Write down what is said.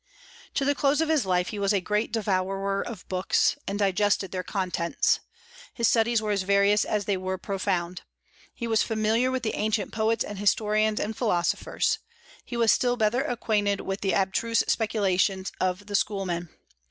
To the close of his life he was a great devourer of books, and digested their contents. His studies were as various as they were profound. He was familiar with the ancient poets and historians and philosophers; he was still better acquainted with the abstruse speculations of the schoolmen.